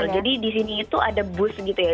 jadi disini itu ada bus gitu ya